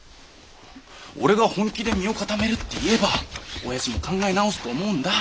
俺が本気で身を固めるって言えば親父も考え直すと思うんだ。